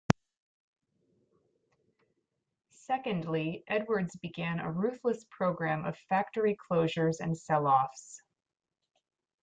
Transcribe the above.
Secondly, Edwardes began a ruthless programme of factory closures and sell-offs.